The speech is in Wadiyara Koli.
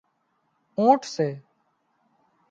اُونٽ سي